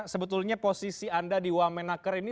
sebetulnya posisi anda di wamenaker ini